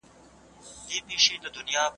که مطلب و نه رسېږي ژبه څه کړي.